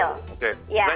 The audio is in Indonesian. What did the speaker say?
oh ready saat ini